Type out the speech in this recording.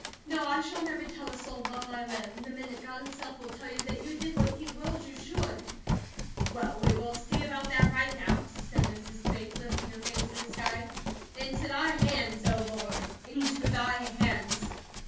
No! I shall never tell a soul while I live. In a minute God himself will tell you that you did what He willed you should." "Well, we will see about that right now," said Mrs. Bates, lifting her face to the sky. "Into thy hands, O Lord, into thy hands!"